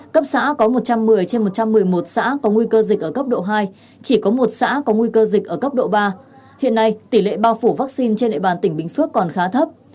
cấp xã có một trăm một mươi trên một trăm một mươi một xã có nguy cơ dịch ở cấp độ hai chỉ có một xã có nguy cơ dịch ở cấp độ ba hiện nay tỷ lệ bao phủ vaccine trên địa bàn tỉnh bình phước còn khá thấp